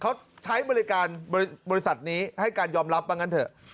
เขาใช้บริการบริษัทนี้ให้การยอมรับว่างั้นเถอะ